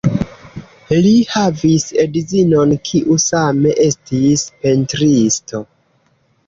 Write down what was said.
Li havis edzinon, kiu same estis pentristo.